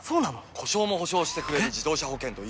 故障も補償してくれる自動車保険といえば？